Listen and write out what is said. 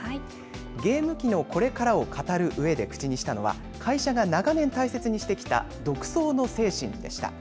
ゲーム機のこれからを語るうえで口にしたのは会社が長年大切にしてきた独創の精神でした。